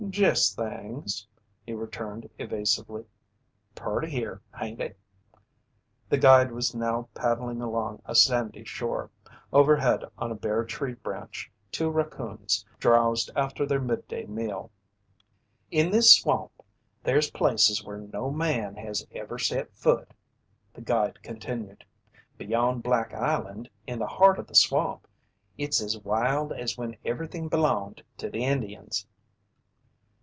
"Jest things," he returned evasively. "Purty here, hain't it?" The guide was now paddling along a sandy shore. Overhead on a bare tree branch, two racoons drowsed after their midday meal. "In this swamp there's places where no man has ever set foot," the guide continued. "Beyond Black Island, in the heart o' the swamp, it's as wild as when everything belonged to the Indians."